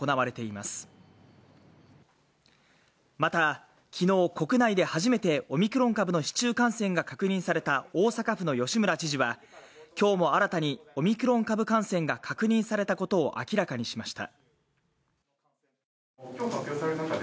また、昨日、国内で初めてオミクロン株の市中感染が確認された大阪府の吉村知事は今日も新たにオミクロン株感染が確認されたことを明らかにしました。